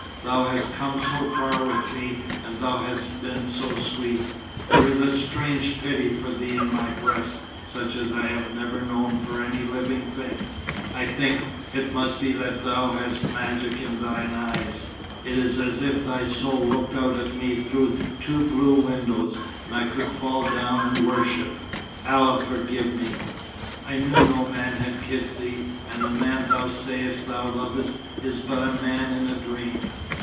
Thou hast come so far with me, and thou hast been so sweet. There is a strange pity for thee in my breast, such as I have never known for any living thing. I think it must be that thou hast magic in thine eyes. It is as if thy soul looked out at me through two blue windows, and I could fall down and worship, Allah forgive me! I knew no man had kissed thee. And the man thou sayest thou lovest is but a man in a dream.